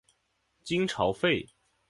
金朝废。